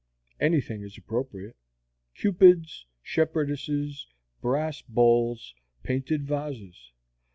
Anything is appropriate cupids, shepherdesses, brass bowls, painted vases.